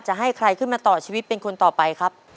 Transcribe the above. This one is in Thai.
จะให้ใครขึ้นมาต่อชีวิตเป็นคนต่อไปครับ